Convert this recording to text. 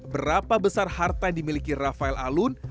berapa besar harta yang dimiliki rafael alun